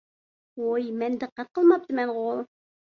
ۋوي مەن دىققەت قىلماپتىمەنغۇ؟